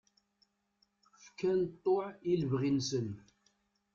Fkan ṭṭuɛ i lebɣi-nsen.